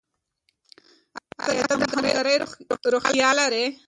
ایا ته د همکارۍ روحیه لرې؟